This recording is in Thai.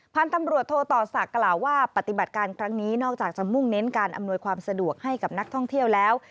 พันธุ์ตำรวจโทต่อศักดิ์กล่าวว่าปฏิบัติการครั้งนี้นอกจากจะมุ่งเน้นการอำนวยความสะดวกให้กับนักท่องเที่ยวแล้ว